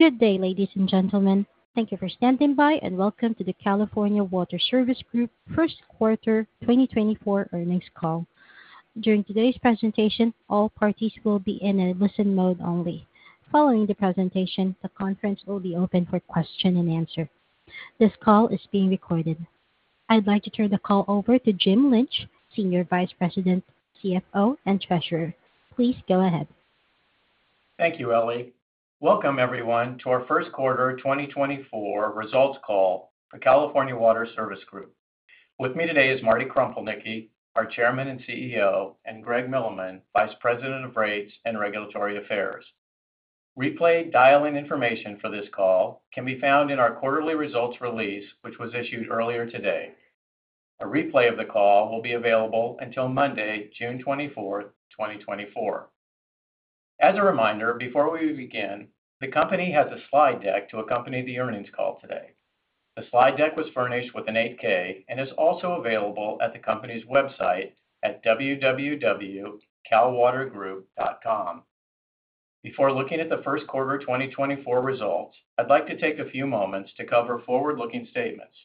Good day, ladies and gentlemen. Thank you for standing by, and welcome to the California Water Service Group first quarter 2024 earnings call. During today's presentation, all parties will be in a listen mode only. Following the presentation, the conference will be open for question and answer. This call is being recorded. I'd like to turn the call over to Jim Lynch, Senior Vice President, CFO, and Treasurer. Please go ahead. Thank you, Ellie. Welcome, everyone, to our first quarter 2024 results call for California Water Service Group. With me today is Marty Kropelnicki, our Chairman and CEO, and Greg Milleman, Vice President of Rates and Regulatory Affairs. Replay dial-in information for this call can be found in our quarterly results release, which was issued earlier today. A replay of the call will be available until Monday, 24 June 2024. As a reminder, before we begin, the company has a slide deck to accompany the earnings call today. The slide deck was furnished with an 8-K and is also available at the company's website at www.calwatergroup.com. Before looking at the first quarter 2024 results, I'd like to take a few moments to cover forward-looking statements.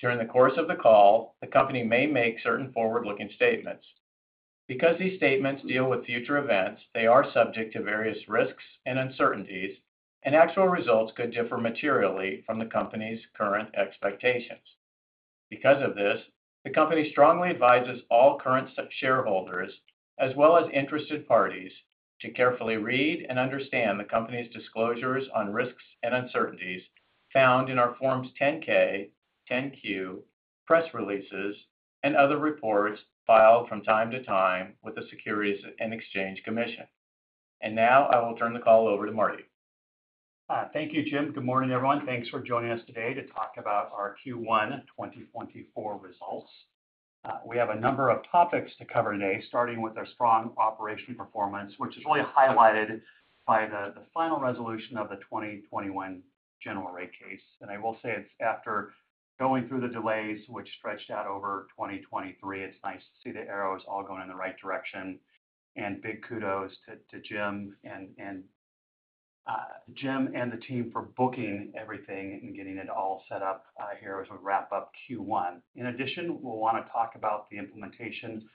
During the course of the call, the company may make certain forward-looking statements. Because these statements deal with future events, they are subject to various risks and uncertainties, and actual results could differ materially from the company's current expectations. Because of this, the company strongly advises all current shareholders as well as interested parties to carefully read and understand the company's disclosures on risks and uncertainties found in our Forms 10-K, 10-Q, press releases, and other reports filed from time to time with the Securities and Exchange Commission. Now I will turn the call over to Marty. Thank you, Jim. Good morning, everyone. Thanks for joining us today to talk about our Q1 2024 results. We have a number of topics to cover today, starting with our strong operational performance, which is really highlighted by the final resolution of the 2021 General Rate Case. I will say it's after going through the delays which stretched out over 2023, it's nice to see the arrows all going in the right direction. Big kudos to Jim and the team for booking everything and getting it all set up here as we wrap up Q1. In addition, we'll want to talk about the implementation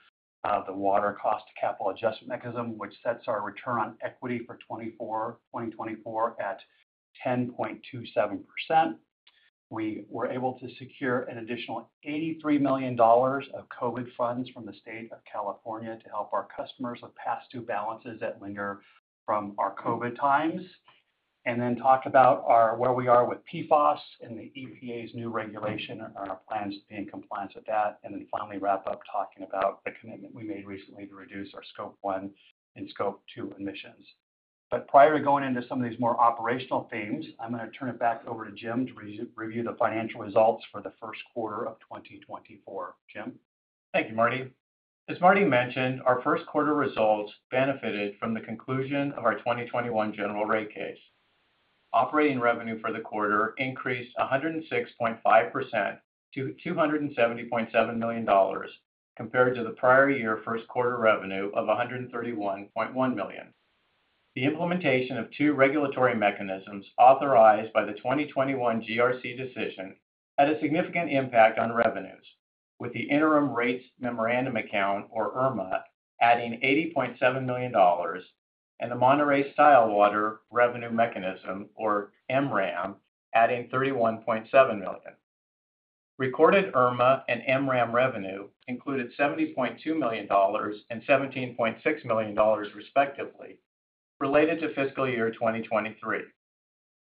of the Water Cost of Capital Adjustment Mechanism, which sets our return on equity for 2024 at 10.27%. We were able to secure an additional $83 million of COVID funds from the State of California to help our customers with past-due balances that linger from our COVID times. And then talk about where we are with PFAS and the EPA's new regulation and our plans to be in compliance with that. And then finally wrap up talking about the commitment we made recently to reduce our Scope 1 and Scope 2 emissions. But prior to going into some of these more operational themes, I'm going to turn it back over to Jim to review the financial results for the first quarter of 2024. Jim? Thank you, Marty. As Marty mentioned, our first quarter results benefited from the conclusion of our 2021 General Rate Case. Operating revenue for the quarter increased 106.5% to $270.7 million compared to the prior year first quarter revenue of $131.1 million. The implementation of two regulatory mechanisms authorized by the 2021 GRC decision had a significant impact on revenues, with the Interim Rates Memorandum Account, or IRMA, adding $80.7 million and the Monterey Style Water Revenue Mechanism, or MRAM, adding $31.7 million. Recorded IRMA and MRAM revenue included $70.2 million and $17.6 million, respectively, related to fiscal year 2023.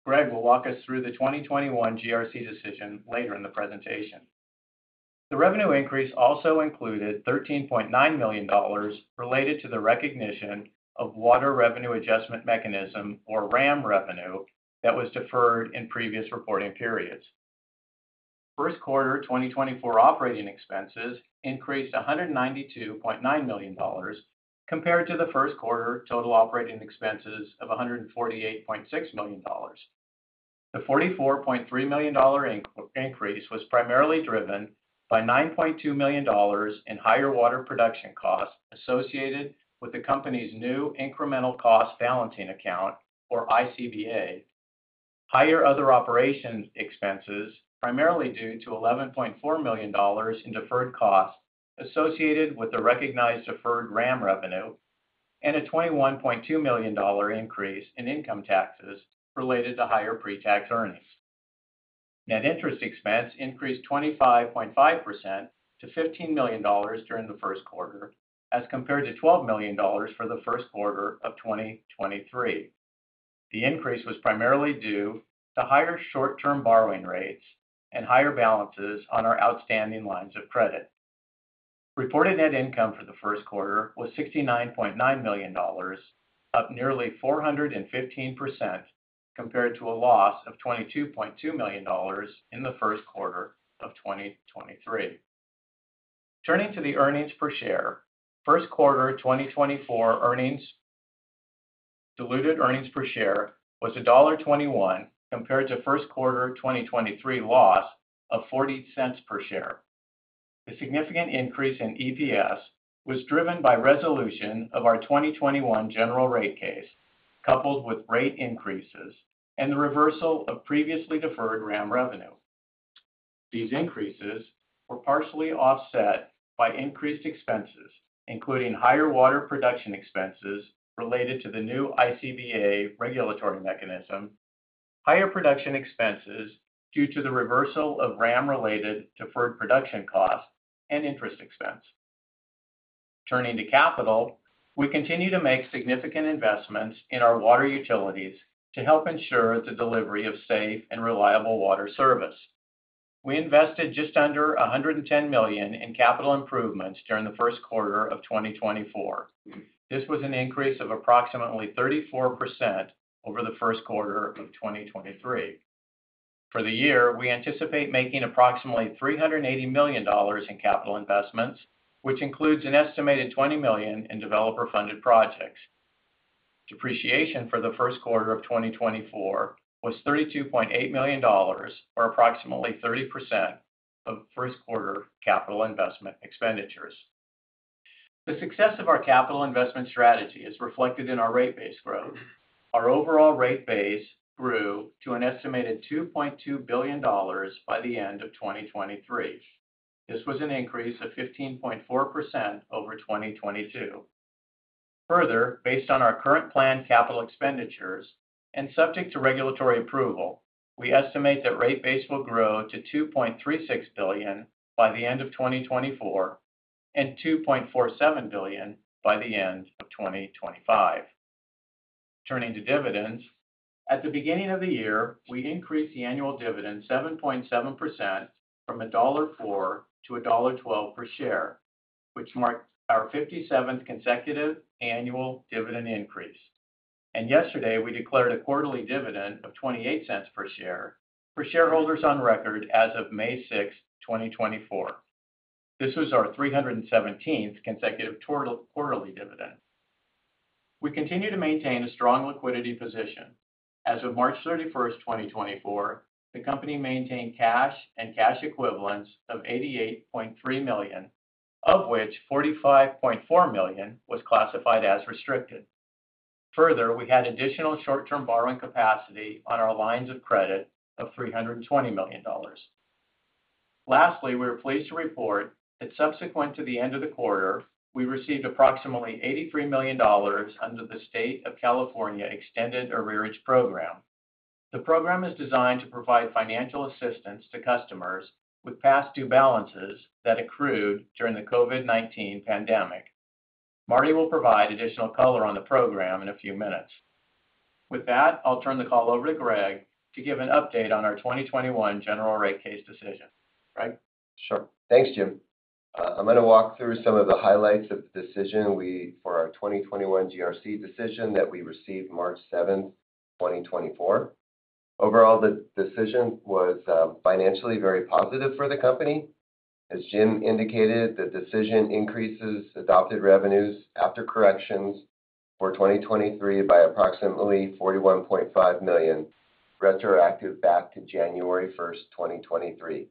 Greg will walk us through the 2021 GRC decision later in the presentation. The revenue increase also included $13.9 million related to the recognition of water revenue adjustment mechanism, or RAM revenue, that was deferred in previous reporting periods. First quarter 2024 operating expenses increased $192.9 million compared to the first quarter total operating expenses of $148.6 million. The $44.3 million increase was primarily driven by $9.2 million in higher water production costs associated with the company's new incremental costs balancing account, or ICBA, higher other operations expenses primarily due to $11.4 million in deferred costs associated with the recognized deferred WRAM revenue, and a $21.2 million increase in income taxes related to higher pre-tax earnings. Net interest expense increased 25.5% to $15 million during the first quarter as compared to $12 million for the first quarter of 2023. The increase was primarily due to higher short-term borrowing rates and higher balances on our outstanding lines of credit. Reported net income for the first quarter was $69.9 million, up nearly 415% compared to a loss of $22.2 million in the first quarter of 2023. Turning to the earnings per share, first quarter 2024 diluted earnings per share was $1.21 compared to first quarter 2023 loss of $0.40 per share. The significant increase in EPS was driven by resolution of our 2021 general rate case coupled with rate increases and the reversal of previously deferred RAM revenue. These increases were partially offset by increased expenses, including higher water production expenses related to the new ICBA regulatory mechanism, higher production expenses due to the reversal of RAM-related deferred production costs, and interest expense. Turning to capital, we continue to make significant investments in our water utilities to help ensure the delivery of safe and reliable water service. We invested just under $110 million in capital improvements during the first quarter of 2024. This was an increase of approximately 34% over the first quarter of 2023. For the year, we anticipate making approximately $380 million in capital investments, which includes an estimated $20 million in developer-funded projects. Depreciation for the first quarter of 2024 was $32.8 million, or approximately 30% of first quarter capital investment expenditures. The success of our capital investment strategy is reflected in our rate base growth. Our overall rate base grew to an estimated $2.2 billion by the end of 2023. This was an increase of 15.4% over 2022. Further, based on our current planned capital expenditures and subject to regulatory approval, we estimate that rate base will grow to $2.36 billion by the end of 2024 and $2.47 billion by the end of 2025. Turning to dividends, at the beginning of the year, we increased the annual dividend 7.7% from $1.04 to $1.12 per share, which marked our 57th consecutive annual dividend increase. And yesterday, we declared a quarterly dividend of $0.28 per share for shareholders on record as of 6 May 2024. This was our 317th consecutive quarterly dividend. We continue to maintain a strong liquidity position. As of March 31, 2024, the company maintained cash and cash equivalents of $88.3 million, of which $45.4 million was classified as restricted. Further, we had additional short-term borrowing capacity on our lines of credit of $320 million. Lastly, we are pleased to report that subsequent to the end of the quarter, we received approximately $83 million under the state of California Extended Arrearage Program. The program is designed to provide financial assistance to customers with past-due balances that accrued during the COVID-19 pandemic. Marty will provide additional color on the program in a few minutes. With that, I'll turn the call over to Greg to give an update on our 2021 general rate case decision. Greg? Sure. Thanks, Jim. I'm going to walk through some of the highlights of the decision for our 2021 GRC decision that we received 7 March 2024. Overall, the decision was financially very positive for the company. As Jim indicated, the decision increases adopted revenues after corrections for 2023 by approximately $41.5 million, retroactive back to 1 January 2023.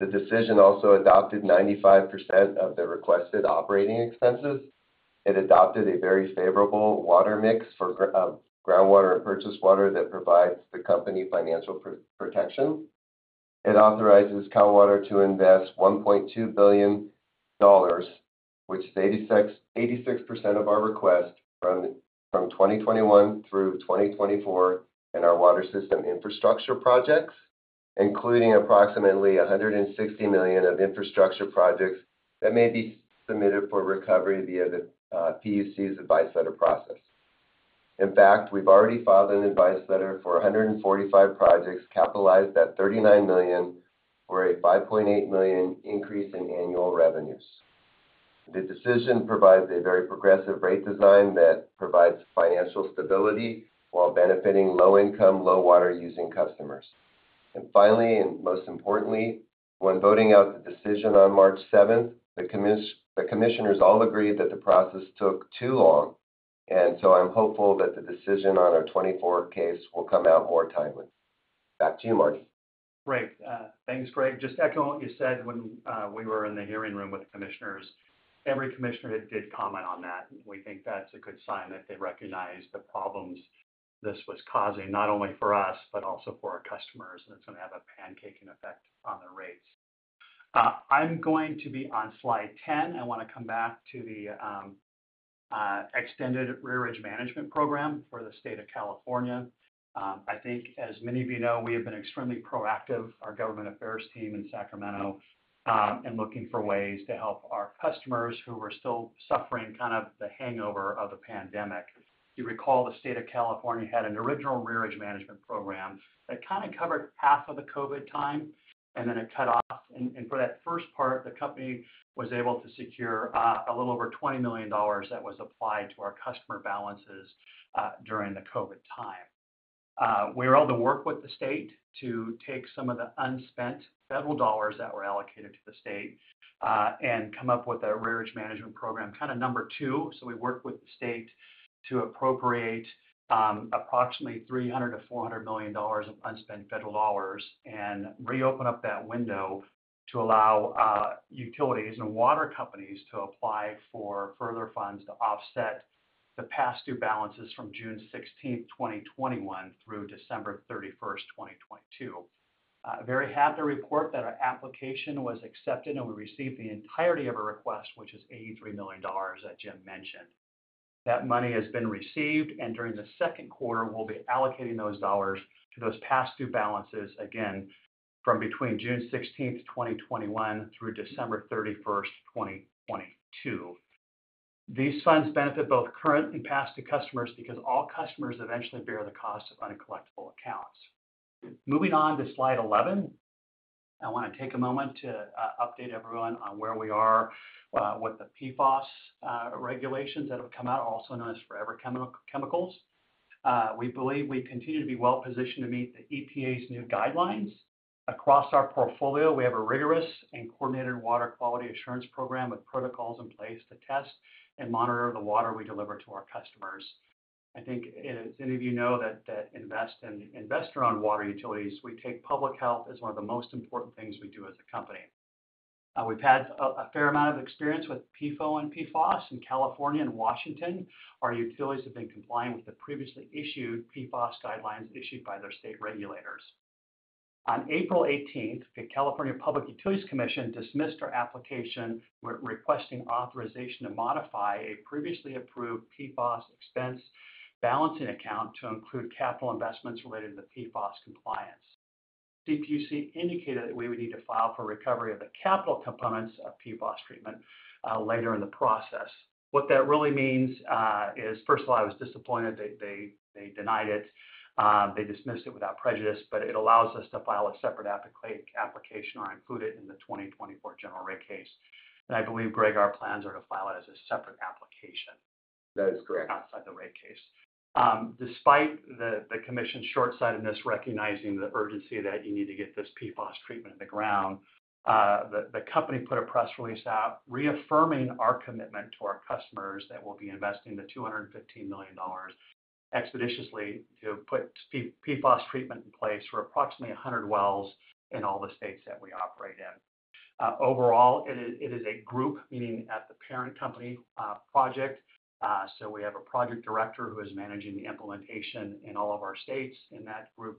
The decision also adopted 95% of the requested operating expenses. It adopted a very favorable water mix of groundwater and purchased water that provides the company financial protection. It authorizes Cal Water to invest $1.2 billion, which is 86% of our request from 2021 through 2024 in our water system infrastructure projects, including approximately $160 million of infrastructure projects that may be submitted for recovery via the PUC's advisory process. In fact, we've already filed an advice letter for 145 projects capitalized at $39 million for a $5.8 million increase in annual revenues. The decision provides a very progressive rate design that provides financial stability while benefiting low-income, low-water using customers. And finally, and most importantly, when voting out the decision on 7 March, the commissioners all agreed that the process took too long. And so I'm hopeful that the decision on our 2024 case will come out more timely. Back to you, Marty. Great. Thanks, Greg. Just echoing what you said when we were in the hearing room with the commissioners, every commissioner did comment on that. We think that's a good sign that they recognize the problems this was causing, not only for us but also for our customers. And it's going to have a pancaking effect on the rates. I'm going to be on slide 10. I want to come back to the Extended Arrearage Management Program for the State of California. I think, as many of you know, we have been extremely proactive, our government affairs team in Sacramento, in looking for ways to help our customers who were still suffering kind of the hangover of the pandemic. You recall the State of California had an original arrearage management program that kind of covered half of the COVID time, and then it cut off. For that first part, the company was able to secure a little over $20 million that was applied to our customer balances during the COVID time. We were able to work with the state to take some of the unspent federal dollars that were allocated to the state and come up with an arrearage management program, kind of number two. We worked with the state to appropriate approximately $300 million-$400 million of unspent federal dollars and reopen up that window to allow utilities and water companies to apply for further funds to offset the past-due balances from 16 June 2021, through 31 December 2022. Very happy to report that our application was accepted, and we received the entirety of our request, which is $83 million that Jim mentioned. That money has been received, and during the second quarter, we'll be allocating those dollars to those past-due balances, again, from between 16 June 2021, through 31 December 2022. These funds benefit both current and past-due customers because all customers eventually bear the cost of uncollectible accounts. Moving on to slide 11, I want to take a moment to update everyone on where we are with the PFAS regulations that have come out, also known as forever chemicals. We believe we continue to be well-positioned to meet the EPA's new guidelines. Across our portfolio, we have a rigorous and coordinated water quality assurance program with protocols in place to test and monitor the water we deliver to our customers. I think, as any of you know, that investor-owned water utilities, we take public health as one of the most important things we do as a company. We've had a fair amount of experience with PFOA and PFAS in California and Washington. Our utilities have been compliant with the previously issued PFAS guidelines issued by their state regulators. On 18 April, the California Public Utilities Commission dismissed our application requesting authorization to modify a previously approved PFAS expense balancing account to include capital investments related to the PFAS compliance. CPUC indicated that we would need to file for recovery of the capital components of PFAS treatment later in the process. What that really means is, first of all, I was disappointed they denied it. They dismissed it without prejudice, but it allows us to file a separate application or include it in the 2024 General Rate Case. And I believe, Greg, our plans are to file it as a separate application. That is correct. Outside the rate case. Despite the commission's shortsightedness, recognizing the urgency that you need to get this PFAS treatment in the ground, the company put a press release out reaffirming our commitment to our customers that we'll be investing the $215 million expeditiously to put PFAS treatment in place for approximately 100 wells in all the states that we operate in. Overall, it is a group, meaning at the parent company project. So we have a project director who is managing the implementation in all of our states. In that group,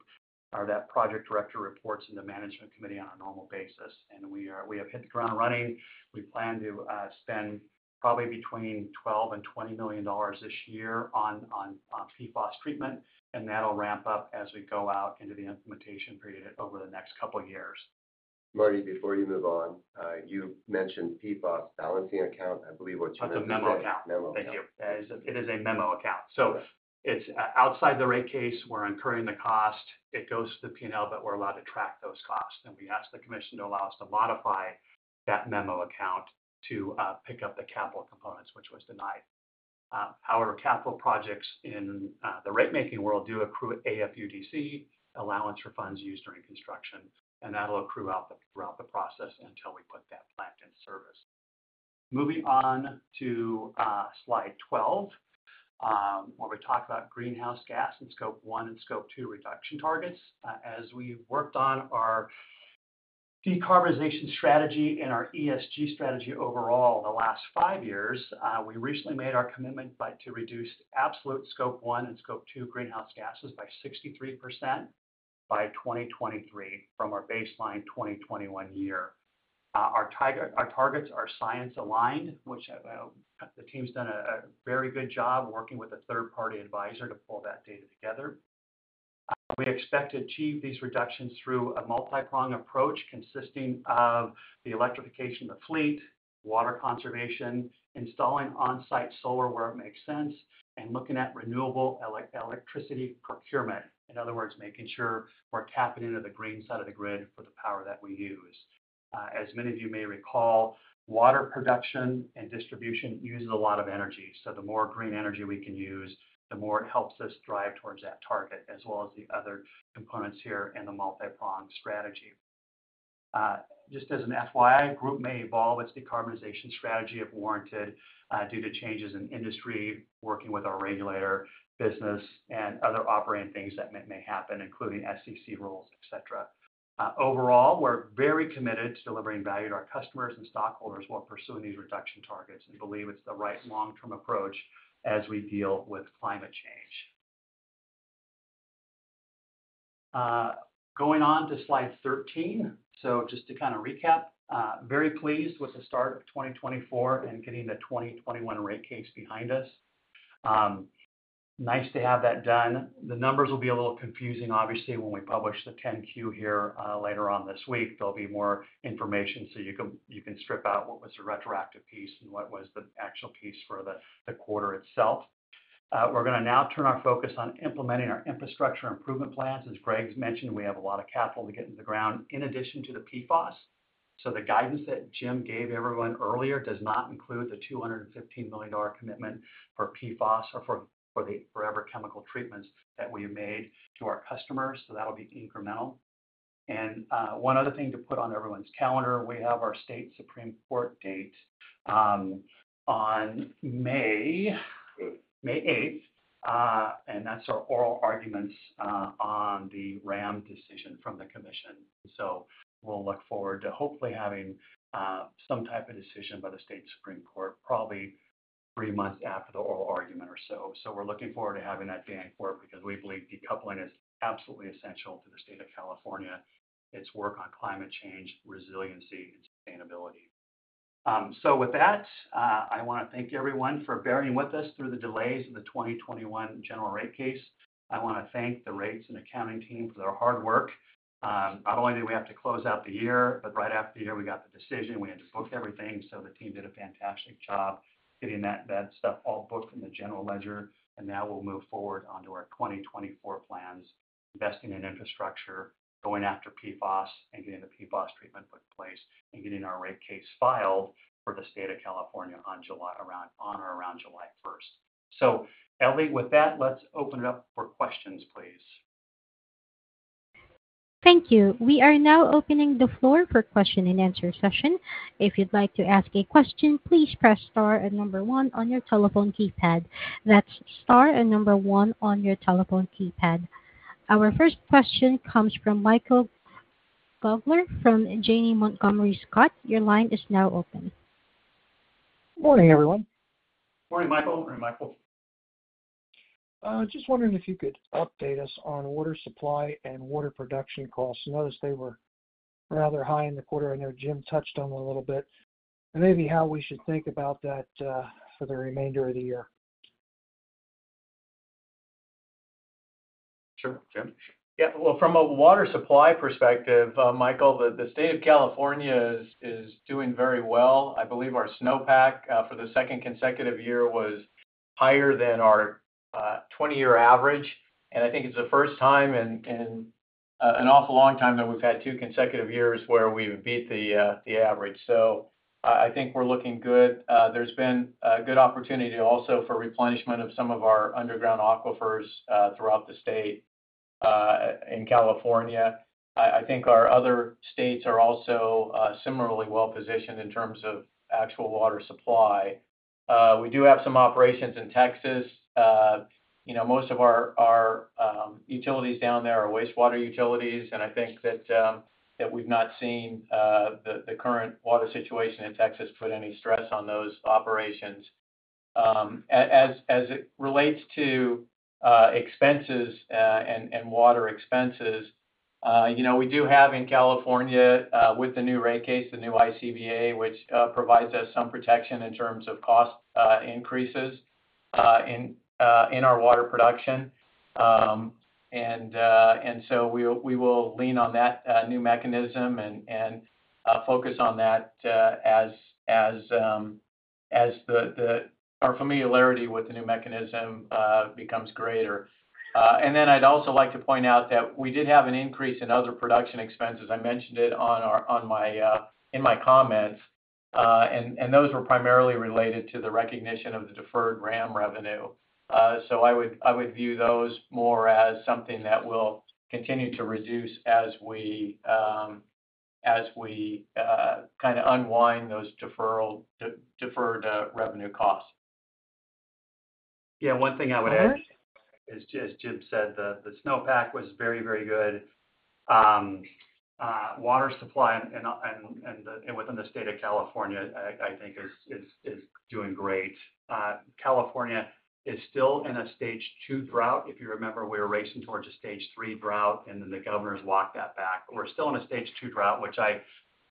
that project director reports to the management committee on a normal basis. We have hit the ground running. We plan to spend probably between $12 and $20 million this year on PFAS treatment, and that'll ramp up as we go out into the implementation period over the next couple of years. Marty, before you move on, you mentioned PFAS balancing account. I believe what you mentioned was. That's a Memo Account. Memo account. Thank you. It is a memo account. So it's outside the rate case. We're incurring the cost. It goes to the P&L, but we're allowed to track those costs. And we asked the commission to allow us to modify that memo account to pick up the capital components, which was denied. However, capital projects in the rate-making world do accrue AFUDC, allowance for funds used during construction, and that'll accrue throughout the process until we put that plant in service. Moving on to Slide 12, where we talk about greenhouse gas and Scope 1 and Scope 2 reduction targets. As we worked on our decarbonization strategy and our ESG strategy overall the last 5 years, we recently made our commitment to reduce absolute Scope 1 and Scope 2 greenhouse gases by 63% by 2023 from our baseline 2021 year. Our targets are science-aligned, which the team's done a very good job working with a third-party advisor to pull that data together. We expect to achieve these reductions through a multi-prong approach consisting of the electrification of the fleet, water conservation, installing on-site solar where it makes sense, and looking at renewable electricity procurement. In other words, making sure we're tapping into the green side of the grid for the power that we use. As many of you may recall, water production and distribution use a lot of energy. So the more green energy we can use, the more it helps us drive towards that target, as well as the other components here in the multi-prong strategy. Just as an FYI, the group may evolve its decarbonization strategy if warranted due to changes in industry, working with our regulator business, and other operating things that may happen, including SEC rules, etc. Overall, we're very committed to delivering value to our customers and stockholders while pursuing these reduction targets. We believe it's the right long-term approach as we deal with climate change. Going on to slide 13. So just to kind of recap, very pleased with the start of 2024 and getting the 2021 rate case behind us. Nice to have that done. The numbers will be a little confusing, obviously, when we publish the 10-Q here later on this week. There'll be more information, so you can strip out what was the retroactive piece and what was the actual piece for the quarter itself. We're going to now turn our focus on implementing our infrastructure improvement plans. As Greg's mentioned, we have a lot of capital to get in the ground in addition to the PFAS. So the guidance that Jim gave everyone earlier does not include the $215 million commitment for PFAS or for the forever chemical treatments that we have made to our customers. So that'll be incremental. And one other thing to put on everyone's calendar, we have our state Supreme Court date on 8 May. And that's our oral arguments on the RAM decision from the commission. So we'll look forward to hopefully having some type of decision by the state Supreme Court, probably three months after the oral argument or so. So we're looking forward to having that day in court because we believe decoupling is absolutely essential to the state of California, its work on climate change, resiliency, and sustainability. So with that, I want to thank everyone for bearing with us through the delays of the 2021 general rate case. I want to thank the rates and accounting team for their hard work. Not only did we have to close out the year, but right after the year, we got the decision. We had to book everything. So the team did a fantastic job getting that stuff all booked in the general ledger. And now we'll move forward onto our 2024 plans, investing in infrastructure, going after PFAS, and getting the PFAS treatment put in place and getting our rate case filed for the state of California on or around 1 July. So Ellie, with that, let's open it up for questions, please. Thank you. We are now opening the floor for question-and-answer session. If you'd like to ask a question, please press star and number one on your telephone keypad. That's star and number one on your telephone keypad. Our first question comes from Michael Gaugler from Janney Montgomery Scott. Your line is now open. Good morning, everyone. Morning, Michael. Just wondering if you could update us on water supply and water production costs. I noticed they were rather high in the quarter. I know Jim touched on them a little bit. Maybe how we should think about that for the remainder of the year. Sure, Jim. Yeah, well, from a water supply perspective, Michael, the State of California is doing very well. I believe our snowpack for the second consecutive year was higher than our 20-year average. I think it's the first time in an awful long time that we've had two consecutive years where we've beat the average. So I think we're looking good. There's been a good opportunity also for replenishment of some of our underground aquifers throughout the State of California. I think our other states are also similarly well-positioned in terms of actual water supply. We do have some operations in Texas. Most of our utilities down there are wastewater utilities. And I think that we've not seen the current water situation in Texas put any stress on those operations. As it relates to expenses and water expenses, we do have in California, with the new rate case, the new ICBA, which provides us some protection in terms of cost increases in our water production. So we will lean on that new mechanism and focus on that as our familiarity with the new mechanism becomes greater. Then I'd also like to point out that we did have an increase in other production expenses. I mentioned it in my comments. Those were primarily related to the recognition of the deferred WRAM revenue. I would view those more as something that will continue to reduce as we kind of unwind those deferred revenue costs. Yeah, one thing I would add is, as Jim said, the snowpack was very, very good. Water supply within the state of California, I think, is doing great. California is still in a stage two drought. If you remember, we were racing towards a stage three drought, and then the governor has walked that back. We're still in a stage two drought, which I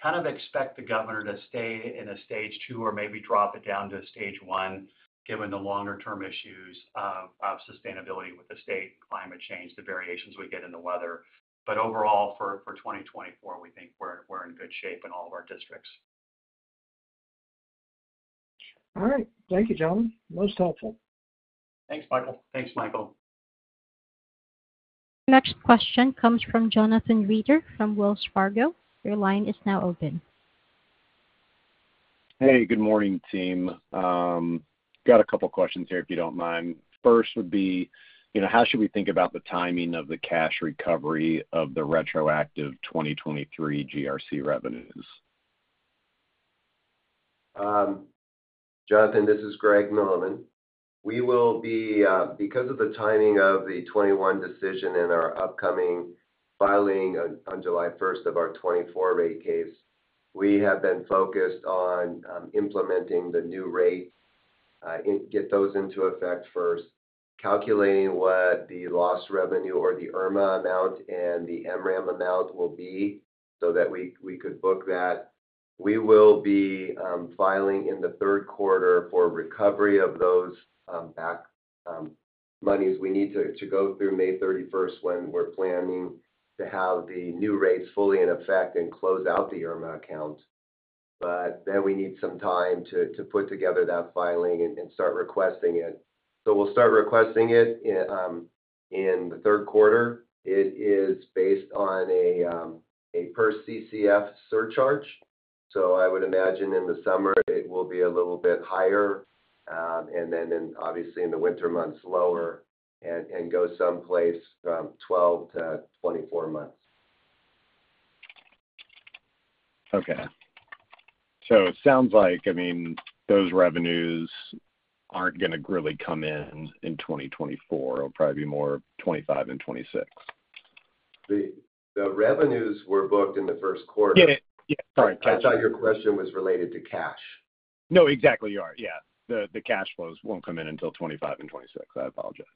kind of expect the governor to stay in a stage two or maybe drop it down to a stage one, given the longer-term issues of sustainability with the state, climate change, the variations we get in the weather. But overall, for 2024, we think we're in good shape in all of our districts. All right. Thank you, John. Most helpful. Thanks, Michael. Thanks, Michael. Next question comes from Jonathan Reeder from Wells Fargo. Your line is now open. Hey, good morning, team. Got a couple of questions here, if you don't mind. First would be, how should we think about the timing of the cash recovery of the retroactive 2023 GRC revenues? Jonathan, this is Greg Milleman. Because of the timing of the 2021 decision and our upcoming filing on 1 July of our 2024 rate case, we have been focused on implementing the new rate, get those into effect first, calculating what the lost revenue or the IRMA amount and the M-WRAM amount will be so that we could book that. We will be filing in the third quarter for recovery of those back monies. We need to go through 31 May when we're planning to have the new rates fully in effect and close out the IRMA account. But then we need some time to put together that filing and start requesting it. So we'll start requesting it in the third quarter. It is based on a per-CCF surcharge. I would imagine in the summer, it will be a little bit higher, and then obviously, in the winter months, lower and go someplace from 12-24 months. Okay. So it sounds like, I mean, those revenues aren't going to really come in in 2024. It'll probably be more 2025 and 2026. The revenues were booked in the first quarter. Yeah. Yeah. Sorry. I thought your question was related to cash. No, exactly. You are. Yeah. The cash flows won't come in until 2025 and 2026. I apologize.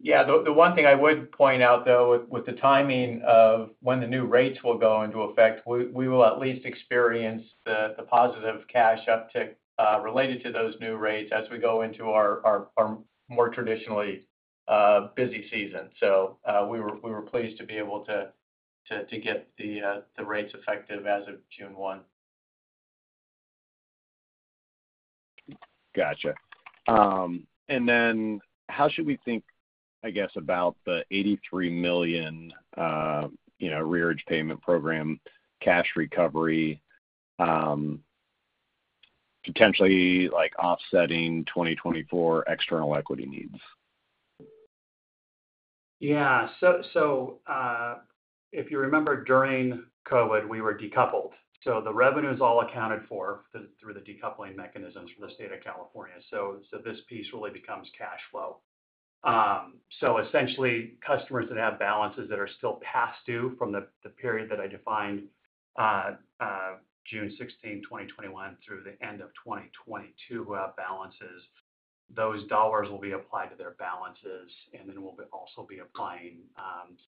Yeah. The one thing I would point out, though, with the timing of when the new rates will go into effect, we will at least experience the positive cash uptick related to those new rates as we go into our more traditionally busy season. So we were pleased to be able to get the rates effective as of 1 June. Gotcha. And then how should we think, I guess, about the $83 million arrearage payment program cash recovery potentially offsetting 2024 external equity needs? Yeah. So if you remember, during COVID, we were decoupled. So the revenue is all accounted for through the decoupling mechanisms for the State of California. So this piece really becomes cash flow. So essentially, customers that have balances that are still past due from the period that I defined 16 June 2021, through the end of 2022 who have balances, those dollars will be applied to their balances. And then we'll also be applying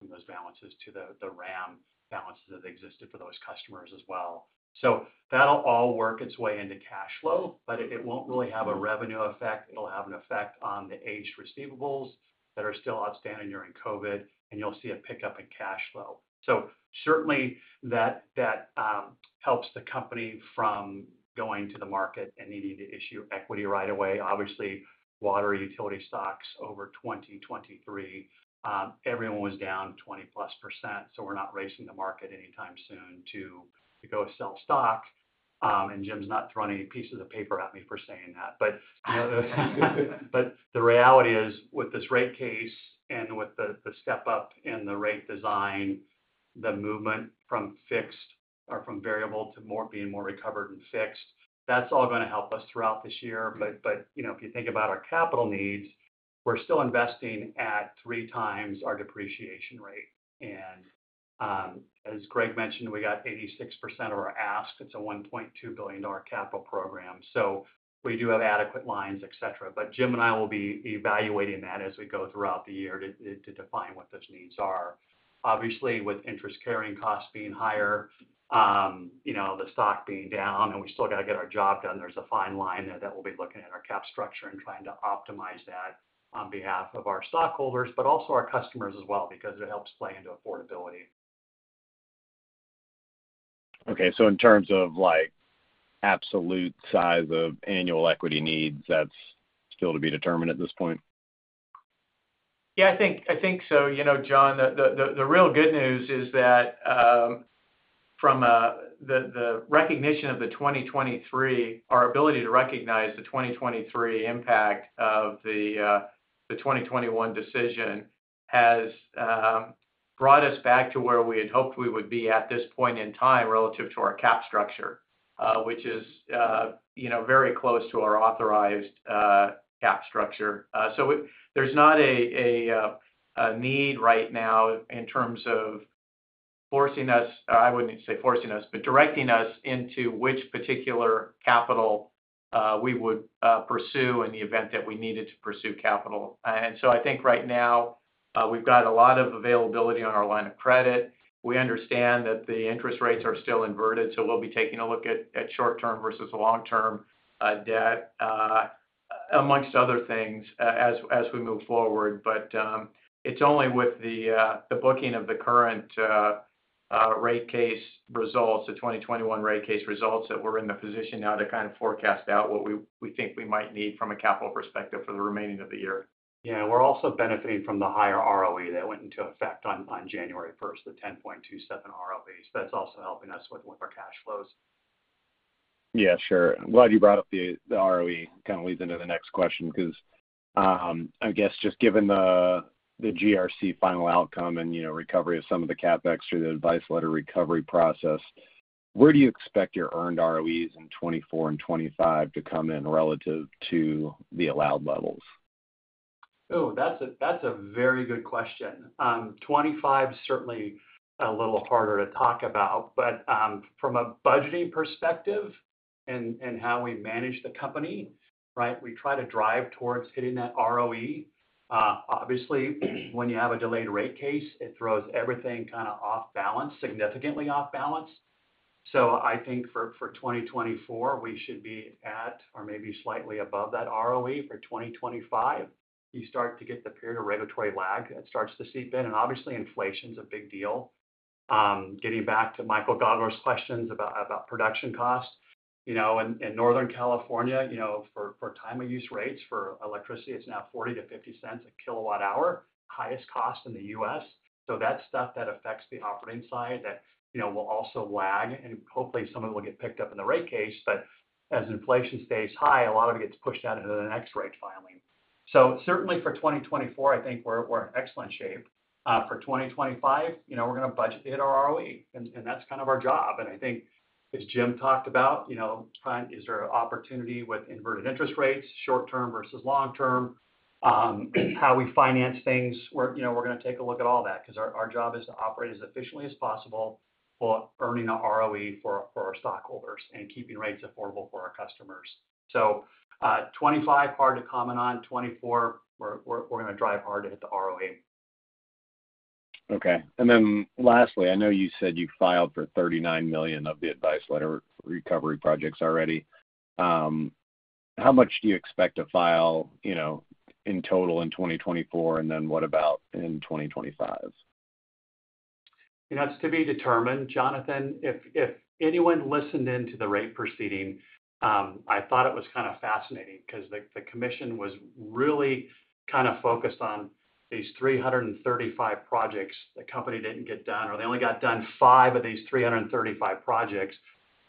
some of those balances to the RAM balances that existed for those customers as well. So that'll all work its way into cash flow, but it won't really have a revenue effect. It'll have an effect on the aged receivables that are still outstanding during COVID, and you'll see a pickup in cash flow. So certainly, that helps the company from going to the market and needing to issue equity right away. Obviously, water utility stocks over 2023, everyone was down 20%+. We're not racing the market anytime soon to go sell stock. Jim's not throwing any pieces of paper at me for saying that. The reality is, with this rate case and with the step-up in the rate design, the movement from fixed or from variable to being more recovered and fixed, that's all going to help us throughout this year. If you think about our capital needs, we're still investing at 3x our depreciation rate. As Greg mentioned, we got 86% of our ask. It's a $1.2 billion capital program. We do have adequate lines, etc. Jim and I will be evaluating that as we go throughout the year to define what those needs are. Obviously, with interest-carrying costs being higher, the stock being down, and we still got to get our job done, there's a fine line there that we'll be looking at our capital structure and trying to optimize that on behalf of our stockholders, but also our customers as well because it helps play into affordability. Okay. So in terms of absolute size of annual equity needs, that's still to be determined at this point? Yeah, I think so, John. The real good news is that from the recognition of the 2023, our ability to recognize the 2023 impact of the 2021 decision has brought us back to where we had hoped we would be at this point in time relative to our cap structure, which is very close to our authorized cap structure. So there's not a need right now in terms of forcing us I wouldn't say forcing us, but directing us into which particular capital we would pursue in the event that we needed to pursue capital. And so I think right now, we've got a lot of availability on our line of credit. We understand that the interest rates are still inverted, so we'll be taking a look at short-term versus long-term debt, amongst other things, as we move forward. It's only with the booking of the current rate case results, the 2021 rate case results, that we're in the position now to kind of forecast out what we think we might need from a capital perspective for the remaining of the year. Yeah. We're also benefiting from the higher ROE that went into effect on 1 January, the 10.27 ROE. That's also helping us with our cash flows. Yeah, sure. Glad you brought up the ROE. It kind of leads into the next question because, I guess, just given the GRC final outcome and recovery of some of the CapEx through the advice letter recovery process, where do you expect your earned ROEs in 2024 and 2025 to come in relative to the allowed levels? Oh, that's a very good question. 2025 is certainly a little harder to talk about. But from a budgeting perspective and how we manage the company, right, we try to drive towards hitting that ROE. Obviously, when you have a delayed rate case, it throws everything kind of off balance, significantly off balance. So I think for 2024, we should be at or maybe slightly above that ROE. For 2025, you start to get the period of regulatory lag that starts to seep in. And obviously, inflation is a big deal. Getting back to Michael Gaugler's questions about production cost, in Northern California, for time-of-use rates for electricity, it's now $0.40-$0.50/kWh, highest cost in the U.S. So that's stuff that affects the operating side that will also lag. And hopefully, some of it will get picked up in the rate case. As inflation stays high, a lot of it gets pushed out into the next rate filing. Certainly, for 2024, I think we're in excellent shape. For 2025, we're going to budget to hit our ROE. And that's kind of our job. I think, as Jim talked about, is there an opportunity with inverted interest rates, short-term versus long-term, how we finance things? We're going to take a look at all that because our job is to operate as efficiently as possible while earning an ROE for our stockholders and keeping rates affordable for our customers. 2025, hard to comment on. 2024, we're going to drive hard to hit the ROE. Okay. And then lastly, I know you said you filed for $39 million of the advice letter recovery projects already. How much do you expect to file in total in 2024, and then what about in 2025? That's to be determined, Jonathan. If anyone listened into the rate proceeding, I thought it was kind of fascinating because the commission was really kind of focused on these 335 projects the company didn't get done, or they only got done 5 of these 335 projects.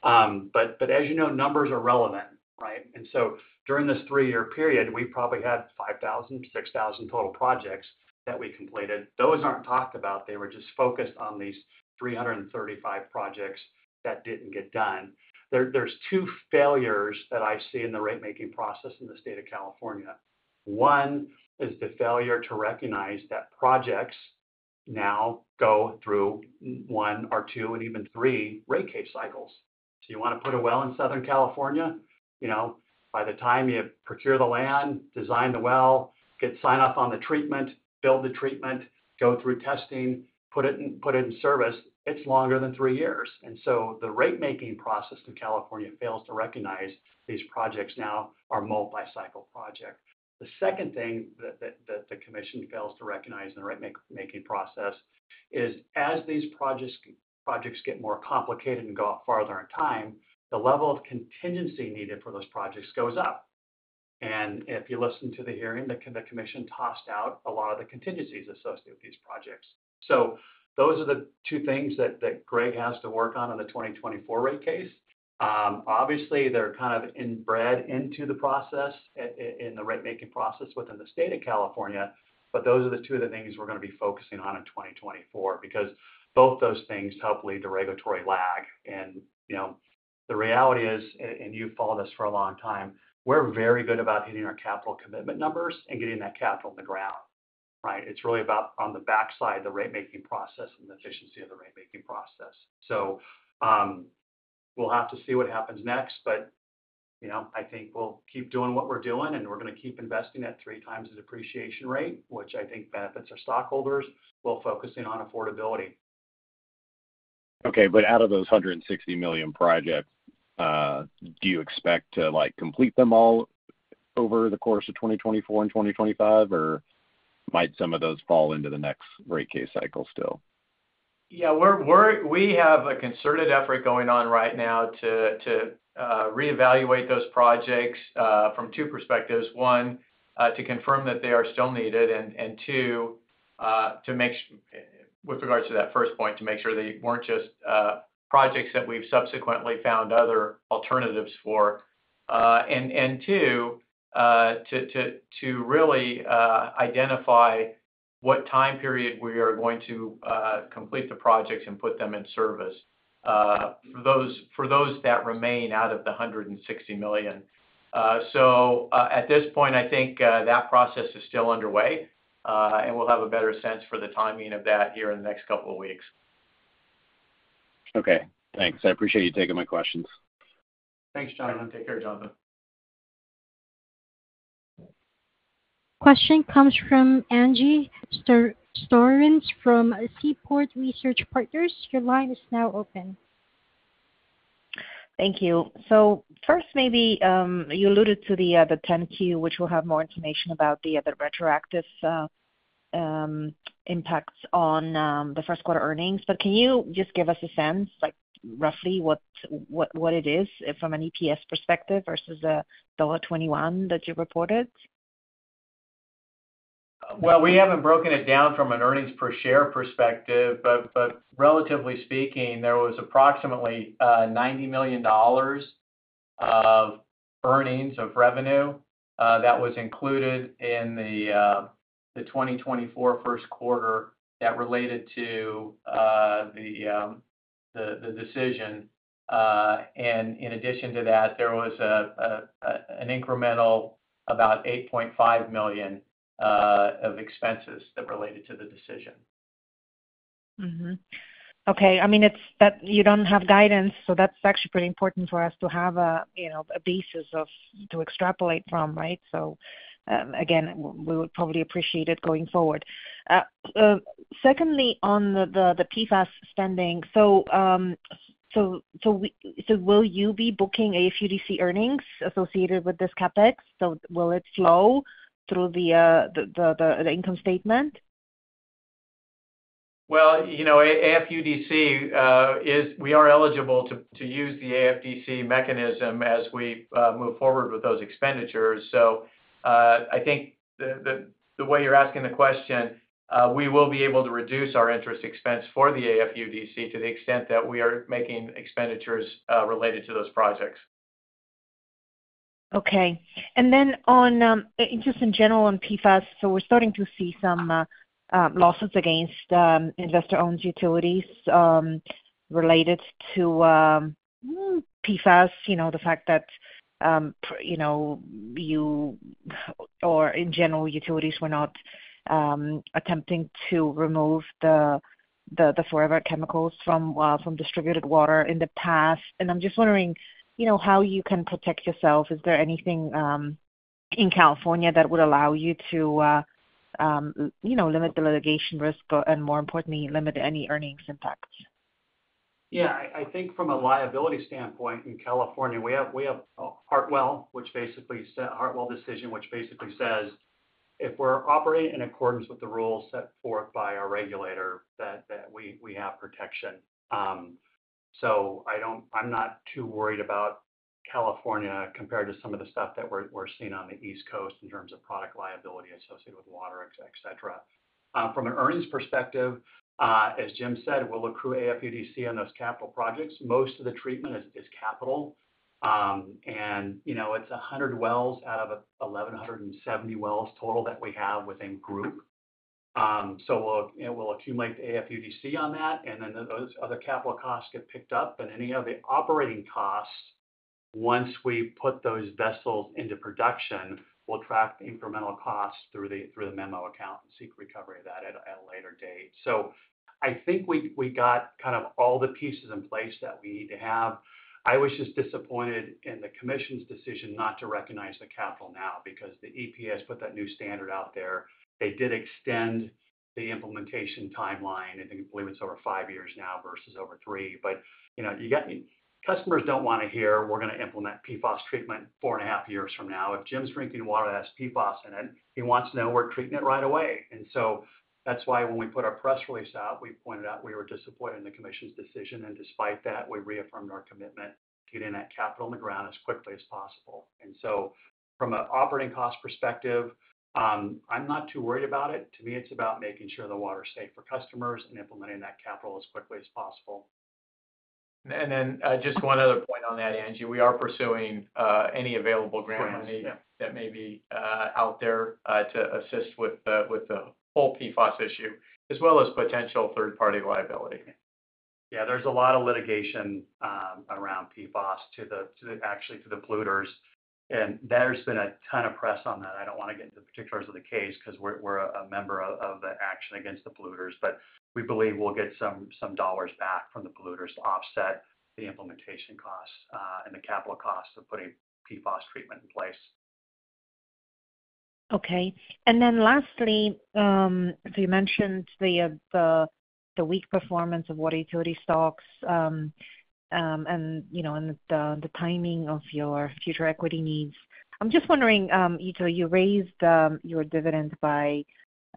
But as you know, numbers are relevant, right? And so during this 3-year period, we probably had 5,000, 6,000 total projects that we completed. Those aren't talked about. They were just focused on these 335 projects that didn't get done. There's 2 failures that I see in the rate-making process in the state of California. One is the failure to recognize that projects now go through 1 or 2 and even 3 rate case cycles. So you want to put a well in Southern California. By the time you procure the land, design the well, get sign-off on the treatment, build the treatment, go through testing, put it in service, it's longer than 3 years. And so the rate-making process in California fails to recognize these projects now are multi-cycle projects. The second thing that the commission fails to recognize in the rate-making process is, as these projects get more complicated and go farther in time, the level of contingency needed for those projects goes up. And if you listen to the hearing, the commission tossed out a lot of the contingencies associated with these projects. So those are the two things that Greg has to work on in the 2024 rate case. Obviously, they're kind of embedded into the process, in the rate-making process within the state of California. But those are the two of the things we're going to be focusing on in 2024 because both those things help lead to regulatory lag. And the reality is, and you've followed us for a long time, we're very good about hitting our capital commitment numbers and getting that capital in the ground, right? It's really about on the backside, the rate-making process and the efficiency of the rate-making process. So we'll have to see what happens next. But I think we'll keep doing what we're doing, and we're going to keep investing at three times the depreciation rate, which I think benefits our stockholders. We're focusing on affordability. Okay. But out of those 160 million projects, do you expect to complete them all over the course of 2024 and 2025, or might some of those fall into the next rate case cycle still? Yeah. We have a concerted effort going on right now to reevaluate those projects from two perspectives. One, to confirm that they are still needed. And two, with regards to that first point, to make sure they weren't just projects that we've subsequently found other alternatives for. And two, to really identify what time period we are going to complete the projects and put them in service for those that remain out of the $160 million. So at this point, I think that process is still underway, and we'll have a better sense for the timing of that here in the next couple of weeks. Okay. Thanks. I appreciate you taking my questions. Thanks, Shannon. Take care, Jonathan. Question comes from Angie Storozynski from Seaport Research Partners. Your line is now open. Thank you. So first, maybe you alluded to the 10-Q, which will have more information about the retroactive impacts on the first-quarter earnings. But can you just give us a sense, roughly, what it is from an EPS perspective versus $0.21 that you reported? Well, we haven't broken it down from an earnings per share perspective. But relatively speaking, there was approximately $90 million of earnings, of revenue, that was included in the 2024 first quarter that related to the decision. And in addition to that, there was an incremental about $8.5 million of expenses that related to the decision. Okay. I mean, you don't have guidance, so that's actually pretty important for us to have a basis to extrapolate from, right? So again, we would probably appreciate it going forward. Secondly, on the PFAS spending, so will you be booking AFUDC earnings associated with this CapEx? So will it flow through the income statement? Well, AFUDC, we are eligible to use the AFUDC mechanism as we move forward with those expenditures. So I think the way you're asking the question, we will be able to reduce our interest expense for the AFUDC to the extent that we are making expenditures related to those projects. Okay. And then just in general on PFAS, so we're starting to see some losses against investor-owned utilities related to PFAS, the fact that you or, in general, utilities were not attempting to remove the forever chemicals from distributed water in the past. And I'm just wondering how you can protect yourself. Is there anything in California that would allow you to limit the litigation risk and, more importantly, limit any earnings impacts? Yeah. I think from a liability standpoint in California, we have a Hartwell decision, which basically set a Hartwell decision, which basically says, "If we're operating in accordance with the rules set forth by our regulator, that we have protection." So I'm not too worried about California compared to some of the stuff that we're seeing on the East Coast in terms of product liability associated with water, etc. From an earnings perspective, as Jim said, we'll accrue AFUDC on those capital projects. Most of the treatment is capital. It's 100 wells out of 1,170 wells total that we have within Group. So we'll accumulate the AFUDC on that, and then those other capital costs get picked up. Any of the operating costs, once we put those vessels into production, we'll track the incremental costs through the memo account and seek recovery of that at a later date. So I think we got kind of all the pieces in place that we need to have. I was just disappointed in the commission's decision not to recognize the capital now because the EPA put that new standard out there. They did extend the implementation timeline. I think, believe it's over 5 years now versus over 3. But you got customers don't want to hear, "We're going to implement PFAS treatment 4.5 years from now." If Jim's drinking water that has PFAS in it, he wants to know, "We're treating it right away." And so that's why when we put our press release out, we pointed out we were disappointed in the commission's decision. And despite that, we reaffirmed our commitment to getting that capital in the ground as quickly as possible. And so from an operating cost perspective, I'm not too worried about it. To me, it's about making sure the water's safe for customers and implementing that capital as quickly as possible. And then just one other point on that, Angie. We are pursuing any available grant money that may be out there to assist with the whole PFAS issue, as well as potential third-party liability. Yeah. There's a lot of litigation around PFAS, actually to the polluters. And there's been a ton of press on that. I don't want to get into the particulars of the case because we're a member of the action against the polluters. But we believe we'll get some dollars back from the polluters to offset the implementation costs and the capital costs of putting PFAS treatment in place. Okay. And then lastly, so you mentioned the weak performance of water utility stocks and the timing of your future equity needs. I'm just wondering, you raised your dividend by,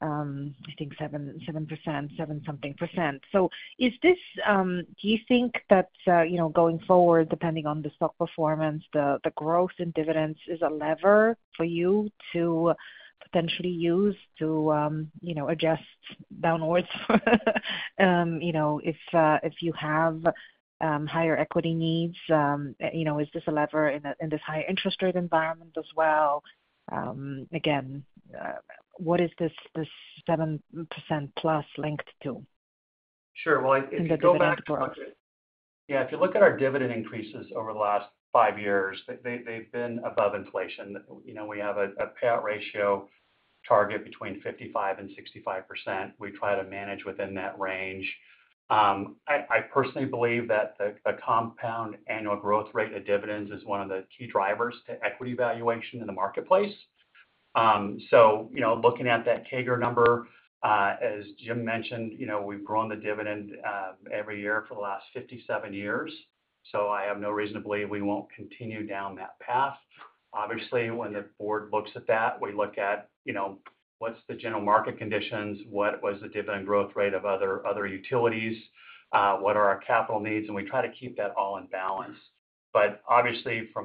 I think, 7%, 7-something%. So do you think that going forward, depending on the stock performance, the growth in dividends is a lever for you to potentially use to adjust downwards if you have higher equity needs? Is this a lever in this high interest rate environment as well? Again, what is this 7%-plus linked to? Sure. Well, if you go back to our, yeah, if you look at our dividend increases over the last 5 years, they've been above inflation. We have a payout ratio target between 55%-65%. We try to manage within that range. I personally believe that the compound annual growth rate of dividends is one of the key drivers to equity valuation in the marketplace. So looking at that CAGR number, as Jim mentioned, we've grown the dividend every year for the last 57 years. So I have no reason to believe we won't continue down that path. Obviously, when the board looks at that, we look at what's the general market conditions? What was the dividend growth rate of other utilities? What are our capital needs? And we try to keep that all in balance. But obviously, for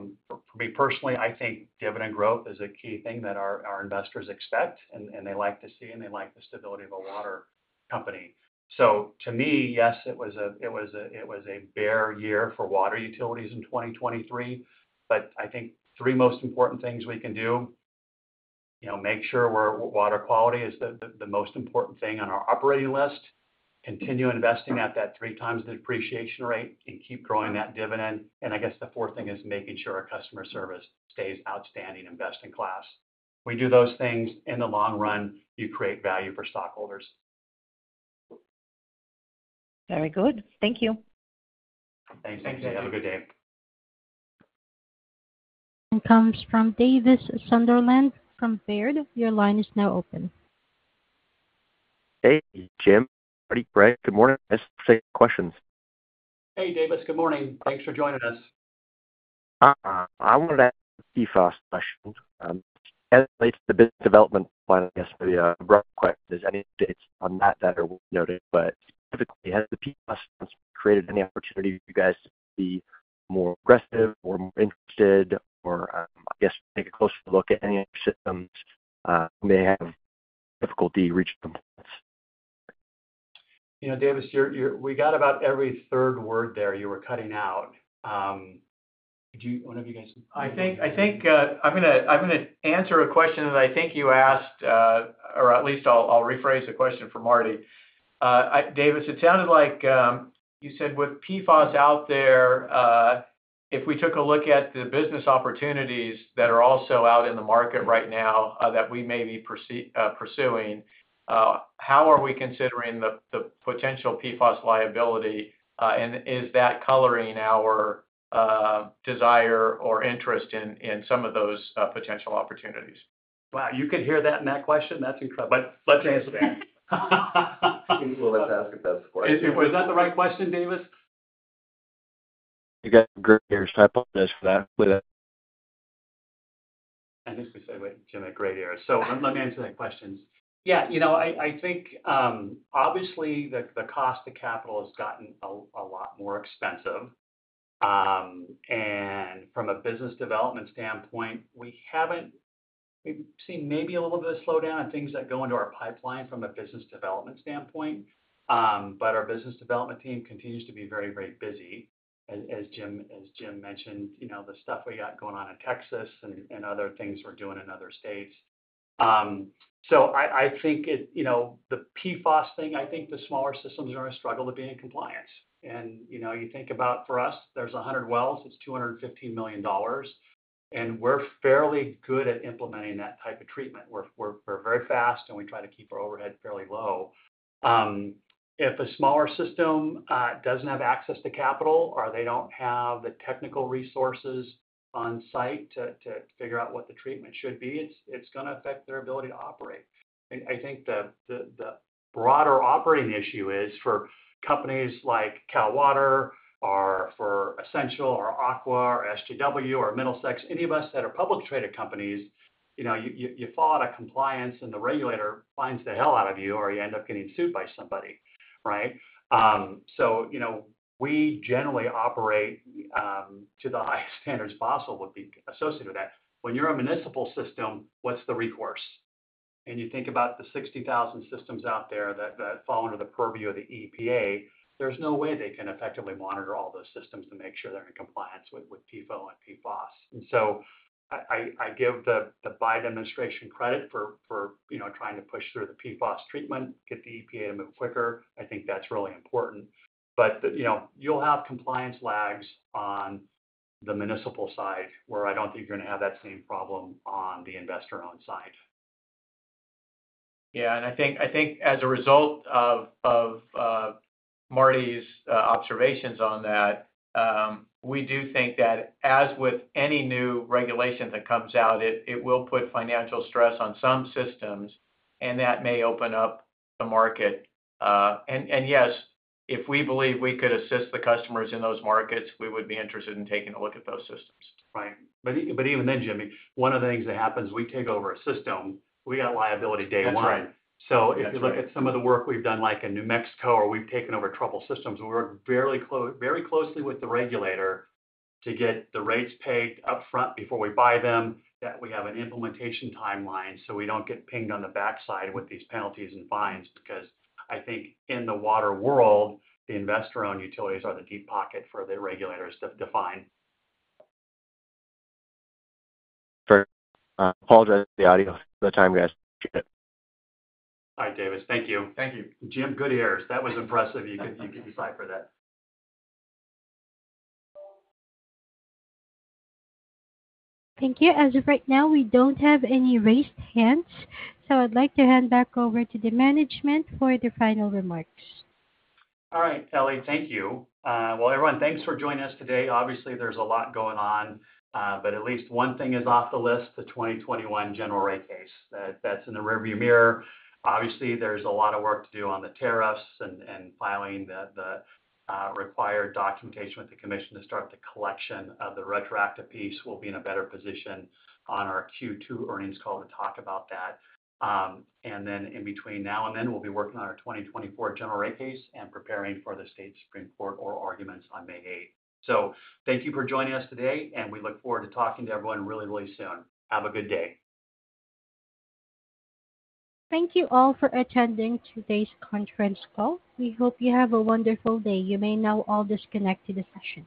me personally, I think dividend growth is a key thing that our investors expect, and they like to see, and they like the stability of a water company. So to me, yes, it was a bear year for water utilities in 2023. But I think three most important things we can do: make sure water quality is the most important thing on our operating list, continue investing at that three times the depreciation rate, and keep growing that dividend. And I guess the fourth thing is making sure our customer service stays outstanding, best in class. When you do those things, in the long run, you create value for stockholders. Very good. Thank you. Thanks, Angie. Have a good day. Comes from Davis Sunderland from Baird. Your line is now open. Hey, Jim. Marty, Greg. Good morning. I guess the same questions. Hey, Davis. Good morning. Thanks for joining us. I wanted to ask a PFAS question. As it relates to the business development plan, I guess the abrupt question is any updates on that that are noted. But specifically, has the PFAS system created any opportunity for you guys to be more aggressive or more interested or, I guess, take a closer look at any systems who may have difficulty reaching compliance? Davis, we got about every third word there. You were cutting out. One of you guys. I think I'm going to answer a question that I think you asked, or at least I'll rephrase the question for Marty. Davis, it sounded like you said, with PFAS out there, if we took a look at the business opportunities that are also out in the market right now that we may be pursuing, how are we considering the potential PFAS liability? And is that coloring our desire or interest in some of those potential opportunities? Wow. You could hear that in that question? That's incredible. But let's answer that. Well, let's ask a better question. Was that the right question, Davis? You got great ears. I apologize for that. I think we said, wait, Jim, I had great ears. So let me answer that question. Yeah. I think, obviously, the cost of capital has gotten a lot more expensive. And from a business development standpoint, we've seen maybe a little bit of a slowdown on things that go into our pipeline from a business development standpoint. But our business development team continues to be very, very busy. As Jim mentioned, the stuff we got going on in Texas and other things we're doing in other states. So I think the PFAS thing, I think the smaller systems are going to struggle to be in compliance. And you think about, for us, there's 100 wells. It's $215 million. And we're fairly good at implementing that type of treatment. We're very fast, and we try to keep our overhead fairly low. If a smaller system doesn't have access to capital or they don't have the technical resources on site to figure out what the treatment should be, it's going to affect their ability to operate. I think the broader operating issue is for companies like Cal Water or for Essential or Aqua or SGW or Middlesex, any of us that are publicly traded companies, you fall out of compliance, and the regulator fines the hell out of you, or you end up getting sued by somebody, right? So we generally operate to the highest standards possible associated with that. When you're a municipal system, what's the recourse? You think about the 60,000 systems out there that fall under the purview of the EPA, there's no way they can effectively monitor all those systems to make sure they're in compliance with PFOA and PFAS. And so I give the Biden administration credit for trying to push through the PFAS treatment, get the EPA to move quicker. I think that's really important. But you'll have compliance lags on the municipal side, where I don't think you're going to have that same problem on the investor-owned side. Yeah. And I think, as a result of Marty's observations on that, we do think that, as with any new regulation that comes out, it will put financial stress on some systems, and that may open up the market. And yes, if we believe we could assist the customers in those markets, we would be interested in taking a look at those systems. Right. But even then, Jimmy, one of the things that happens, we take over a system. We got liability day one. So if you look at some of the work we've done, like in New Mexico, or we've taken over troubled systems, we work very closely with the regulator to get the rates paid upfront before we buy them, that we have an implementation timeline so we don't get pinged on the backside with these penalties and fines. Because I think, in the water world, the investor-owned utilities are the deep pocket for the regulators to fine. Perfect. Apologize for the audio at the time, guys. Appreciate it. All right, Davis. Thank you. Thank you. Jim, good ears. That was impressive. You could decide for that. Thank you. As of right now, we don't have any raised hands. So I'd like to hand back over to the management for the final remarks. All right, Ellie, thank you. Well, everyone, thanks for joining us today. Obviously, there's a lot going on. But at least one thing is off the list, the 2021 general rate case. That's in the rearview mirror. Obviously, there's a lot of work to do on the tariffs and filing the required documentation with the commission to start the collection of the retroactive piece. We'll be in a better position on our Q2 earnings call to talk about that. And then, in between now and then, we'll be working on our 2024 general rate case and preparing for the State Supreme Court or arguments on 8 May. So thank you for joining us today, and we look forward to talking to everyone really, really soon. Have a good day. Thank you all for attending today's conference call. We hope you have a wonderful day. You may now all disconnect to the session.